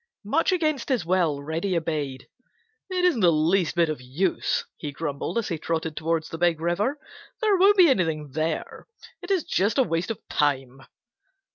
Much against his will Reddy obeyed. "It isn't the least bit of use," he grumbled, as he trotted towards the Big River. "There won't be anything there. It is just a waste of time."